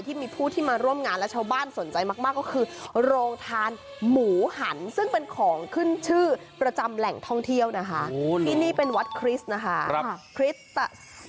ที่เป็นของขึ้นชื่อประจำแหล่งท่องเที่ยวนะคะที่นี่เป็นวัดคริสต์นะคะ